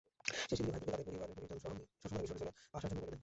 শেষে তিনি ভাইদেরকে তাদের পরিবার-পরিজনসহ সসম্মানে মিসরে চলে আসার জন্যে বলে দেন।